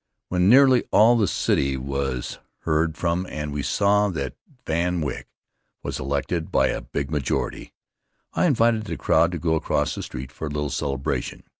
When nearly all the city was heard from and we saw that Van Wyck was elected by a big majority, I invited the crowd to go across the street for a little celebration.